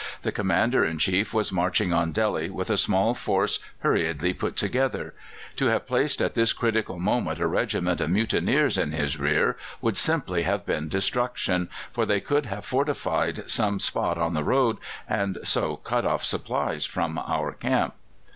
The Commander in Chief was marching on Delhi with a small force hurriedly got together; to have placed at this critical moment a regiment of mutineers in his rear would simply have been destruction, for they could have fortified some spot on the road and so cut off supplies from our camp.